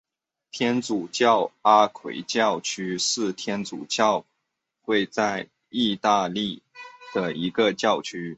天主教阿奎教区是天主教会在义大利的一个教区。